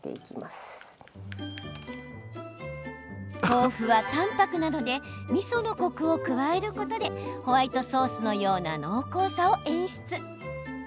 豆腐は淡泊なのでみそのコクを加えることでホワイトソースのような濃厚さを演出。